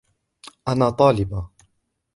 أنا طالبة.